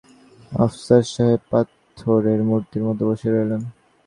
আফসার সাহেব পাথরের মূর্তির মতো বসে রইলেন।